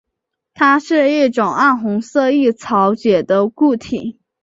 它是一种暗红色易潮解的固体。